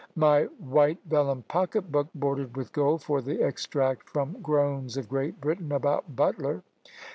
My white vellum pocket book, bordered with gold, for the extract from "Groans of Great Britain" about Butler.